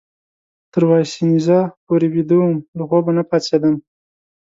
تر وایسینزا پورې بیده وم، له خوبه نه پاڅېدم.